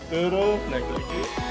turun naik lagi